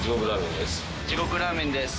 地獄ラーメンです。